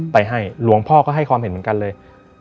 ไปให้หลวงพ่อก็ให้ความเห็นเหมือนกันเลย